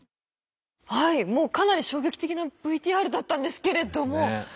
はいもうかなり衝撃的なＶＴＲだったんですけれども。